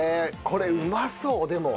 これうまそうでも。